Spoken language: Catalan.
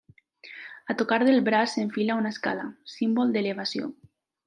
A tocar del braç s'enfila una escala, símbol d'elevació.